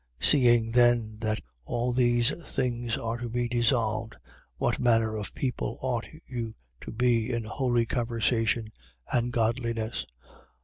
3:11. Seeing then that all these things are to be dissolved, what manner of people ought you to be in holy conversation and godliness?